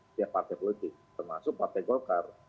setiap partai politik termasuk partai golkar